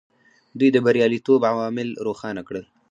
دوی د بریالیتوب عوامل روښانه کړل.